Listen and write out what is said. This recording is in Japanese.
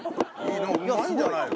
うまいんじゃないの？